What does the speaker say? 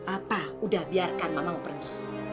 apa udah biarkan mama mau pergi